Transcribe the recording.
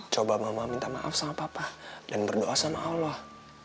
coba mama minta maaf sama papa dan berdoa sama allah